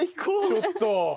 ちょっと。